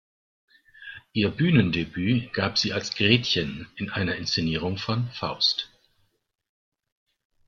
Ihr Bühnendebüt gab sie als "Gretchen" in einer Inszenierung von "Faust.